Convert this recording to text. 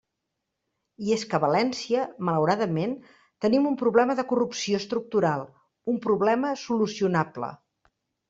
I és que a València, malauradament, tenim un problema de corrupció estructural —un problema solucionable.